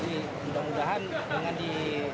jadi mudah mudahan dengan di